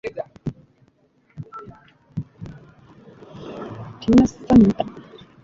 N'asanyuka.